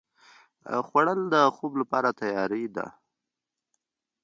خوړل د خوب لپاره تیاري ده